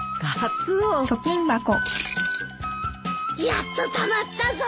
やっとたまったぞ！